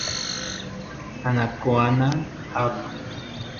Anacaona, Av.